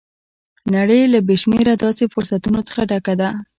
نړۍ له بې شمېره داسې فرصتونو څخه ډکه ده